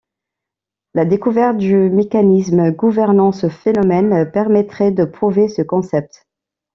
La découverte du mécanisme gouvernant ce phénomène permettrait de prouver ce concept.